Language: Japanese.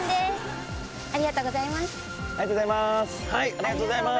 ありがとうございます。